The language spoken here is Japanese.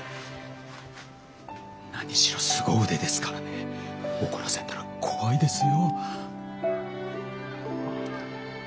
何しろすご腕ですからね怒らせたら怖いですよ？